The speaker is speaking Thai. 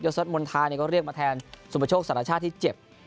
ยศวรรษมณฑาก็เรียกมาแทนสุปโปรโชคสรรคชาติที่เจ็บ